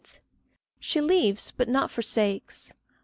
She leaves, but not forsakes.